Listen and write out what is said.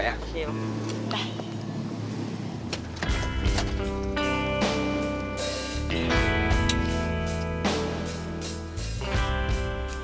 terima kasih ya pak ya